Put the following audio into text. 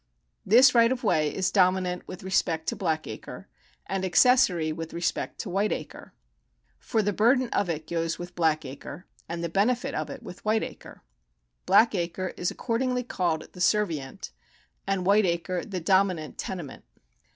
This right of way is dominant with respect to Bhxckacre, and accessory with respect to Whitcacre. For the burden of it goes with Blackacre, and the benefit of it with Whitcacre. Blackacre is accordingly called the servient, and Whitcacre the dominant tenement.